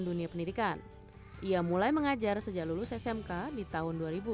terani perin anggota barang pasar kerjasama saat dibatasi terhadap buying bank